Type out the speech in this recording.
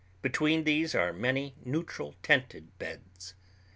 Between these are many neutral tinted beds.